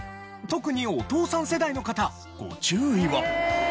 特にお父さん世代の方ご注意を。